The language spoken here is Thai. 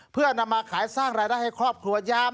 เพื่อนำมาขายสร้างรายได้ให้ครอบครัวยาม